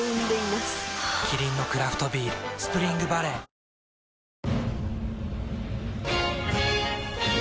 キリンのクラフトビール「スプリングバレー」手紙？